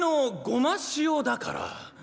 ごましおだから」。